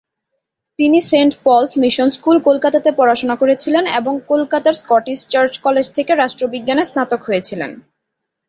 তিনি Saint Paul's Mission School কলকাতাতে পড়াশুনা করেছিলেন এবং কলকাতার স্কটিশ চার্চ কলেজ থেকে রাষ্ট্রবিজ্ঞানে স্নাতক হয়েছিলেন।